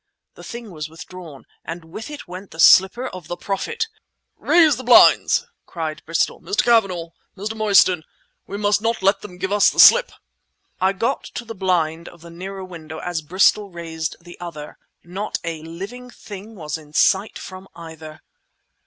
The thing was withdrawn ... and with it went the slipper of the Prophet. "Raise the blinds!" cried Bristol. "Mr. Cavanagh! Mr. Mostyn! We must not let them give us the slip!" I got up the blind of the nearer window as Bristol raised the other. Not a living thing was in sight from either!